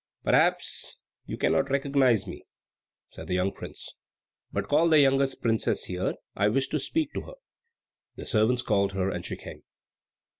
"Perhaps you cannot recognise me," said the young prince, "but call the youngest princess here. I wish to speak to her." The servants called her, and she came.